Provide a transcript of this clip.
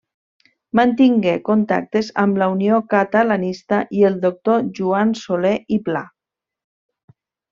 Mantingué contactes amb la Unió Catalanista i el doctor Joan Soler i Pla.